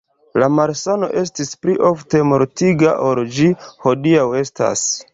La malsano estis pli ofte mortiga ol ĝi hodiaŭ estas.